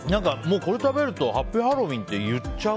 これ食べるとハッピーハロウィーンって言っちゃう。